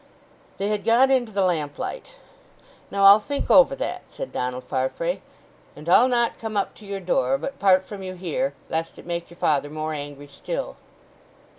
They had got into the lamplight. "Now, I'll think over that," said Donald Farfrae. "And I'll not come up to your door; but part from you here; lest it make your father more angry still."